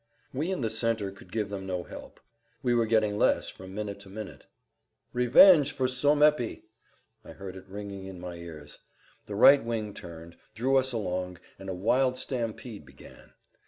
We in the center could give them no help. We were getting less from minute to minute. "Revenge for Sommepy!" I heard it ringing in my ears. The right wing turned, drew us along, and a wild stampede began.